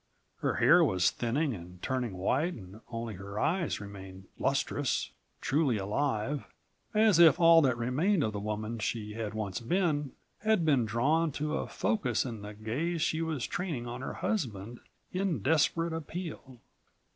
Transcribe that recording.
Her hair was thinning and turning white and only her eyes remained lustrous, truly alive, as if all that remained of the woman she had once been had been drawn to a focus in the gaze she was training on her husband in desperate appeal.